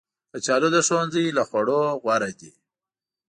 کچالو د ښوونځي له خوړو غوره دي